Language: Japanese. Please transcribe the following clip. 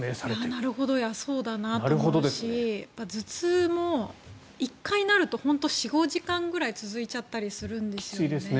なるほ、そうだなと思いますし頭痛も１回なると本当に４５時間ぐらい続いちゃったりするんですよね。